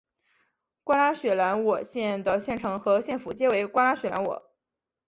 瓜拉雪兰莪县的县城和县府皆为瓜拉雪兰莪。